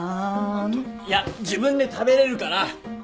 いや自分で食べれるから。